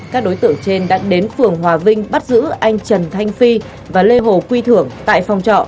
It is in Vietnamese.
các đối tượng trên đã đến phường hòa vinh bắt giữ anh trần thanh phi và lê hồ quy thưởng tại phòng trọ